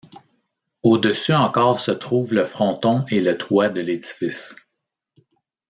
Au-dessus encore se trouvent le fronton et le toit de l'édifice.